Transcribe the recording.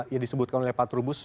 ya disebutkan oleh pak terubus